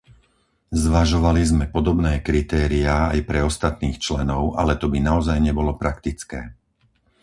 Zvažovali sme podobné kritériá aj pre ostatných členov, ale to by naozaj nebolo praktické.